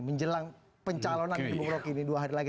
menjelang pencalonan mung roki ini dua hari lagi